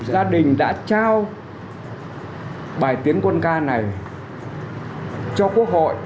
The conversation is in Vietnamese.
gia đình đã trao bài tiến quân ca này cho quốc hội